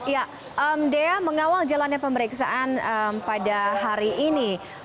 ya dea mengawal jalannya pemeriksaan pada hari ini